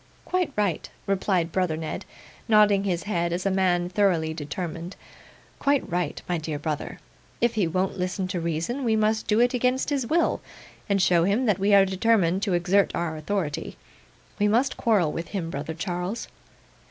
'Quite right,' replied brother Ned, nodding his head as a man thoroughly determined; 'quite right, my dear brother. If he won't listen to reason, we must do it against his will, and show him that we are determined to exert our authority. We must quarrel with him, brother Charles.